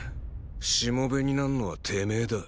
しもべになんのはてめえだ。